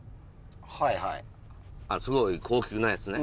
はいはいすごい高級なやつね